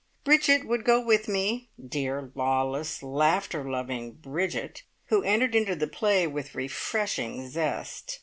Bridget would go with me dear, lawless, laughter loving Bridget, who entered into the play with refreshing zest.